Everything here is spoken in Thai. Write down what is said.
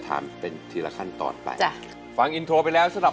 ถามเป็นทีละขั้นตอนไปจ้ะฟังอินโทรไปแล้วสำหรับ